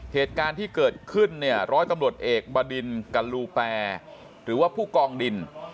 เหตุการณ์ที่เกิดขึ้นเนี่ยร้อยตำรวจเอกบดินกะลูแปรหรือว่าผู้กองดิน